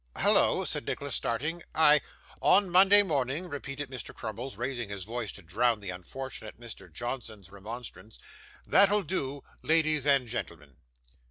'Hallo!' said Nicholas, starting. 'I ' 'On Monday morning,' repeated Mr. Crummles, raising his voice, to drown the unfortunate Mr. Johnson's remonstrance; 'that'll do, ladies and gentlemen.